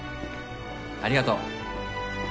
ありがとう。